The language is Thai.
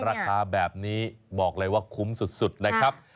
ราคาแบบนี้บอกเลยว่าคุ้มสุดนะครับ